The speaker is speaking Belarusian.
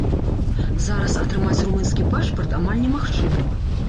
Зараз атрымаць румынскі пашпарт амаль немагчыма.